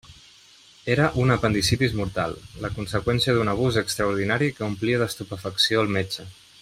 Era una apendicitis mortal: la conseqüència d'un abús extraordinari que omplia d'estupefacció el metge.